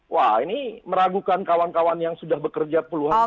wah ini meragukan kawan kawan yang sudah bekerja puluhan tahun